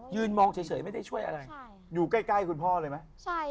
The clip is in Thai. อยูนใกล้ของคุณพ่อเลยไหม